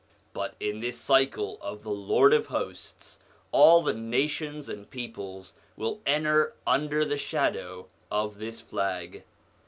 But in this cycle of the Lord of Hosts all the nations and peoples will enter under the shadow of this Flag.